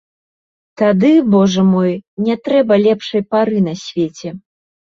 Тады, божа мой, не трэба лепшай пары на свеце.